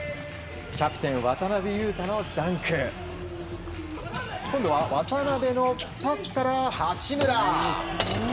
キャプテン渡邊雄太のダンク。今度は渡邊のパスから八村。